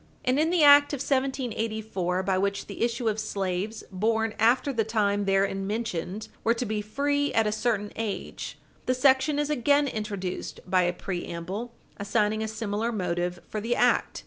And in the act of 1784, by which the issue of slaves born after the time therein mentioned were to be free at a certain age, the section is again introduced by a preamble assigning a similar motive for the act.